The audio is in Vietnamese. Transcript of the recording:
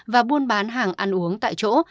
và buôn bán hàng ăn uống tại chỗ